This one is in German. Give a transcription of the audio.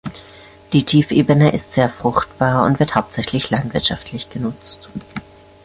Die Tiefebene ist sehr fruchtbar und wird hauptsächlich landwirtschaftlich genutzt.